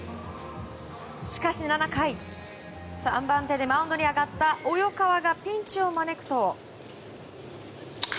しかし７回３番手でマウンドに上がった及川がピンチを招くと。